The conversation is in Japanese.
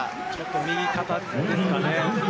右肩ですかね？